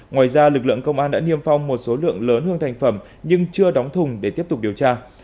ngoài ra lực lượng công an đã niêm phong một số lượng lớn hương thành phẩm nhưng chưa đóng thùng để tiếp tục điều tra